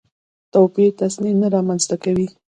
توپیر تصنع نه رامنځته کوي.